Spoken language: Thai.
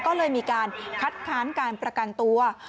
ก็เลยมีการคัดค้านการประกันตัว